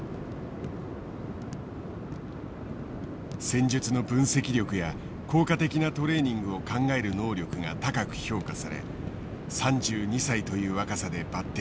戦術の分析力や効果的なトレーニングを考える能力が高く評価され３２歳という若さで抜てきされたという。